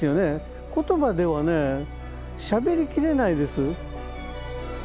言葉ではねしゃべりきれないです。